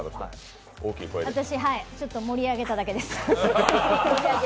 私ちょっとはい、盛り上げただけです。